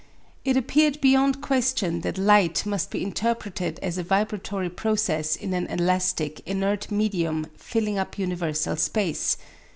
It appeared beyond question that light must be interpreted as a vibratory process in an elastic, inert medium filling up universal space.